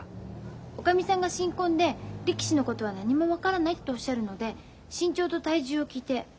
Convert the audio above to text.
おかみさんが新婚で力士のことは何も分からないっておっしゃるので身長と体重を聞いて私が判断しました。